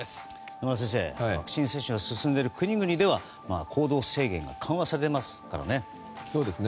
野村先生、ワクチン接種が進んでいる国々では行動制限が緩和されますからね。